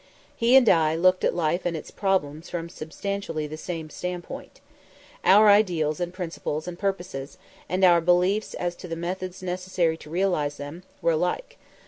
He and I looked at life and its problems from substantially the same standpoint. Our ideals and principles and purposes, and our beliefs as to the methods necessary to realize them, were alike.